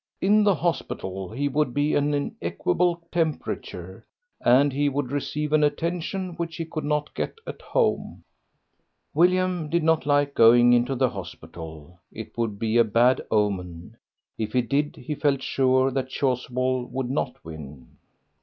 In the hospital he would be in an equable temperature, and he would receive an attention which he could not get at home." William did not like going into the hospital; it would be a bad omen. If he did, he felt sure that Chasuble would not win.